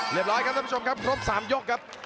ร้อยครับท่านผู้ชมครับครบ๓ยกครับ